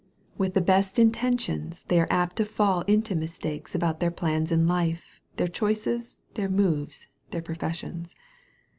With the best intentions, they are apt to fall into mistakes about their plans in life, their choices, their mores, their professions.